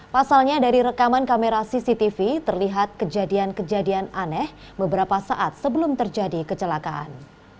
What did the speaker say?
pasalnya dari rekaman kamera cctv terlihat kejadian kejadian aneh beberapa saat sebelum terjadi kecelakaan